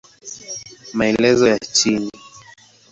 Maelezo ya chini